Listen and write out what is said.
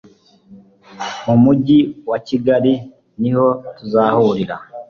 mu mujyi wa kigali niho tuzahurira